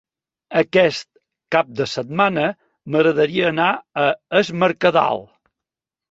Aquest cap de setmana m'agradaria anar a Es Mercadal.